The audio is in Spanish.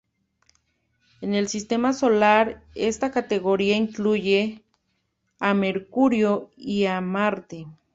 En el Sistema Solar, esta categoría incluye a Mercurio y a Marte.